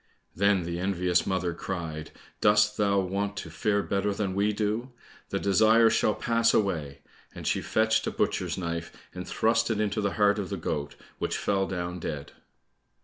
Then the envious mother cried, "Dost thou want to fare better than we do? The desire shall pass away," and she fetched a butcher's knife, and thrust it into the heart of the goat, which fell down dead.